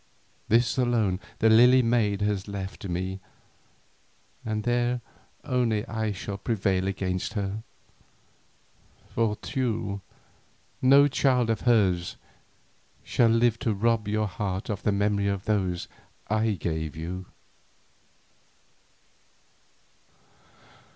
This alone the Lily maid has left to me, and there only I shall prevail against her, for, Teule, no child of hers shall live to rob your heart of the memory of those I gave you.